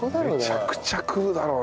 めちゃくちゃ食うだろうな。